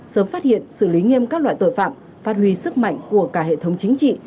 sớm phát hiện xử lý nghiêm các loại tội phạm phát huy sức mạnh của cả hệ thống chính trị